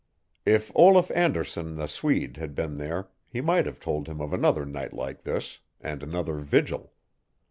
If Olaf Anderson the Swede had been there he might have told him of another night like this, and another vigil.